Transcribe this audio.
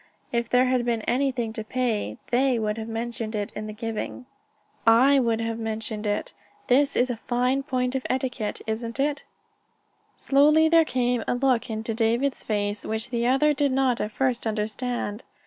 If there had been anything to pay, they would have mentioned it in the giving; I would have mentioned it. That is a fine point of etiquette, isn't it?" Slowly there came a look into David's face which the other did not at first understand.